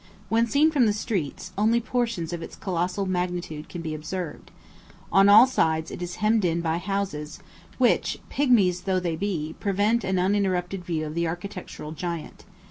When seen from the streets, only portions of its colossal magnitude can be observed. On all sides it is hemmed in by houses, which, pygmies though they be, prevent an uninterrupted view of the architectural giant.